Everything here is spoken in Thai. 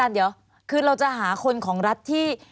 เดี๋ยวคือเราจะหาคนของรัฐที่